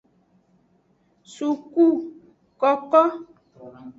Sukukoko.